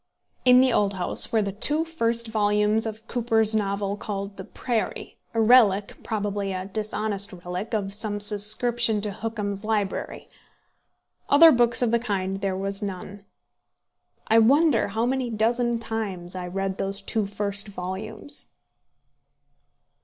In the old house were the two first volumes of Cooper's novel, called The Prairie, a relic probably a dishonest relic of some subscription to Hookham's library. Other books of the kind there was none. I wonder how many dozen times I read those two first volumes.